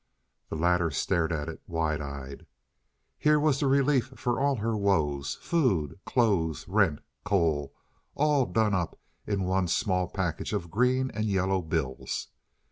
The latter stared at it wide eyed. Here was the relief for all her woes—food, clothes, rent, coal—all done up in one small package of green and yellow bills.